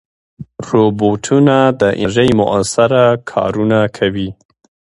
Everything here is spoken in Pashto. روبوټونه د انرژۍ مؤثره کارونه کوي.